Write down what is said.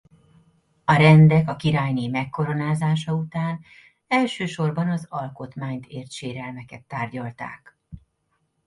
A rendek a királyné megkoronázása után elsősorban az alkotmányt ért sérelmeket tárgyalták.